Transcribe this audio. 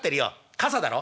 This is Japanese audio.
傘だろ？」。